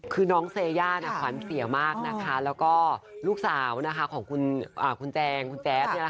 คือน้องเสย่าควันเสียมากแล้วก็ลูกสาวของคุณแจงแจ๊บ